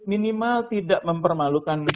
minimal tidak mempermalukan